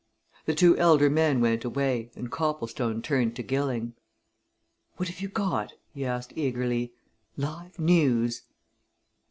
The two elder men went away, and Copplestone turned to Gilling. "What have you got?" he asked eagerly. "Live news!"